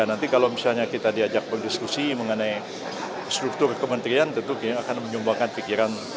nanti kalau misalnya kita diajak berdiskusi mengenai struktur kementerian tentu akan menyumbangkan pikiran